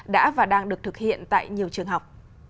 đã và đang được thực hiện tại nhiều trường học